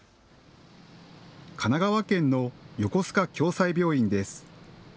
神奈川県の横須賀共済病院です。